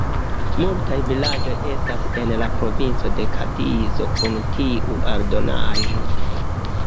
Multaj vilaĝoj estas en la Provinco de Kadizo kun tiu aldonaĵo.